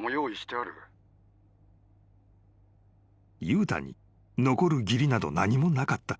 ［悠太に残る義理など何もなかった］